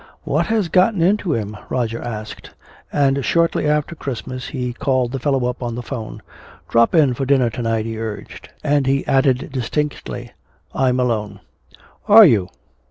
"What has got into him?" Roger asked. And shortly after Christmas he called the fellow up on the 'phone. "Drop in for dinner to night," he urged. And he added distinctly, "I'm alone." "Are you?